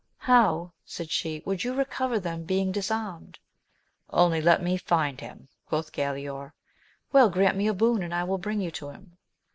How, said she, would you recover them being dis armed ? Only let me find him ! quoth Galaor. — Well, grant me a boon, and I will bring you to him.